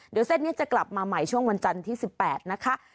เดี๋ยวเส้นนี้จะกลับมาใหม่ช่วงวันจันทร์ที่๑๘นะคะ